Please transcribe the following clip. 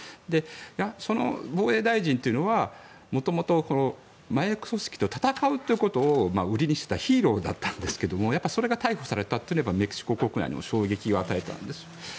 その防衛大臣というのは元々麻薬組織と戦うということを売りにしていたヒーローだったんですけどそれが逮捕されたというのはメキシコ国内に衝撃を与えたんです。